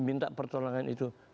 minta pertolongan itu